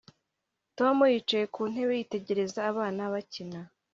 Tom yicaye ku ntebe yitegereza abana bakina